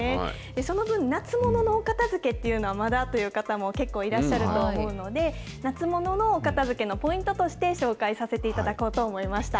その分、夏物のお片づけというのは、まだという方も結構いらっしゃると思うので、夏物のお片づけのポイントとして紹介させていただこうと思いました。